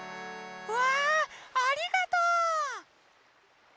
うわありがとう！